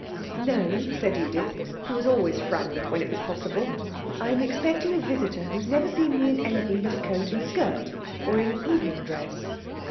'No,' said Edith, who was always frank when it was possible. 'I'm expecting a visitor who's never seen me in anything but a coat and skirt, or in evening dress.'